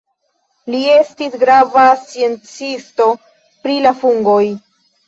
Li estis grava sciencisto pri la fungoj.